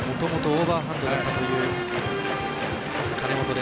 もともとオーバーハンドだったという金本。